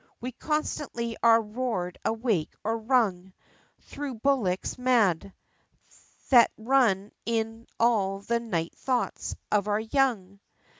We constantly are roar'd awake or rung, Through bullocks mad That run in all the 'Night Thoughts' of our Young!"